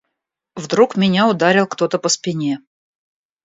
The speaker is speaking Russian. Вдруг меня ударил кто-то по спине.